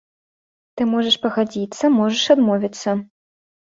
Ты можаш пагадзіцца, можаш адмовіцца.